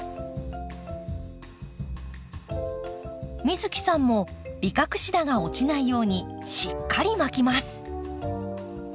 美月さんもビカクシダが落ちないようにしっかり巻きます。